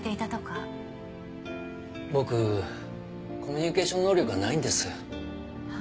僕コミュニケーション能力がないんです。は？